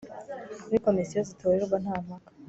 kuri komisiyo zitorerwa nta mpaka